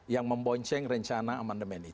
yang membonceng rencana emendemen itu